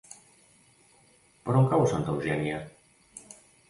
Per on cau Santa Eugènia?